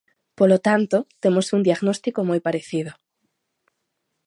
Polo tanto, temos un diagnóstico moi parecido.